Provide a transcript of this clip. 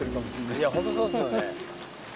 いやほんとそうっすよね。